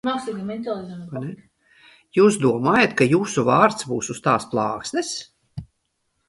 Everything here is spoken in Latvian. Jūs domājat, ka jūsu vārds būs uz tās plāksnes?